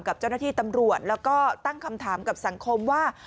กับเจ้าหน้าที่ตำรวจแล้วก็ตั้งคำถามกับสังคมว่า